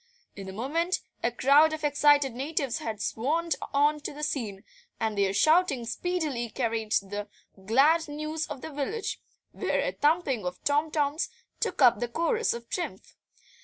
In a moment a crowd of excited natives had swarmed on to the scene, and their shouting speedily carried the glad news to the village, where a thumping of tom toms took up the chorus of triumph.